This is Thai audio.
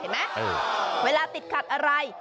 เห็นมั้ยเวลาติดกัดอะไร